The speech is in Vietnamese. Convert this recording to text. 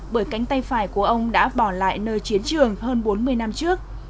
bởi cánh tay phải của ông đã bỏ lại nơi chiến trường hơn bốn mươi năm trước